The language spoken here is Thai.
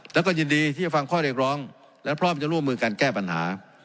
แล้วก็ยินดีที่จะฟังข้อเรียกร้องและพร้อมจะร่วมมือกันแก้ปัญหา